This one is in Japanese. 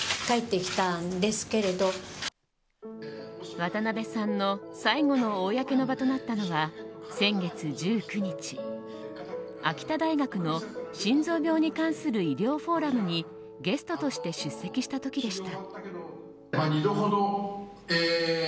渡辺さんの最後の公の場となったのは先月１９日秋田大学の心臓病に関する医療フォーラムにゲストとして出席した時でした。